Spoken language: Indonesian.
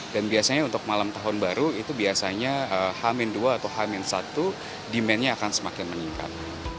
dan biasanya untuk malam tahun baru itu biasanya h dua atau h satu demandnya akan semakin meningkat